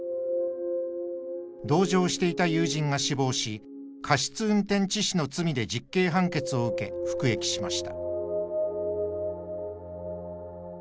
同乗していた友人が死亡し過失運転致死の罪で実刑判決を受け服役しました。